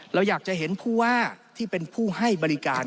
เราอยากจะเห็นผู้ว่าที่เป็นผู้ให้บริการ